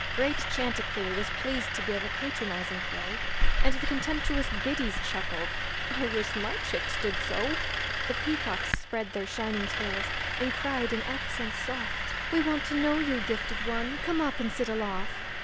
Great chanticleer was pleased to give A patronizing crow, And the contemptuous biddies chuckled, 'I wish my chicks did so.' The peacocks spread their shining tails, And cried in accents soft, 'We want to know you, gifted one, Come up and sit aloft.'